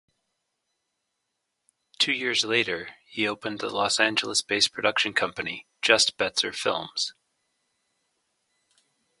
Two years later, he opened the Los Angeles-based production company, Just Betzer Films.